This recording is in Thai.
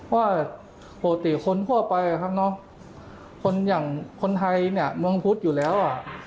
ว่าปกติคนทั่วไปคนไทยเมืองพุธอยู่แล้ว